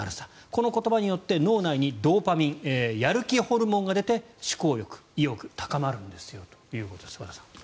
このことによって脳内にドーパミンやる気ホルモンが出て思考力、意欲が高まるということです。